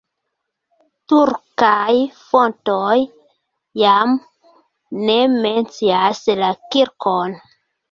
Turkaj fontoj jam ne mencias la kirkon.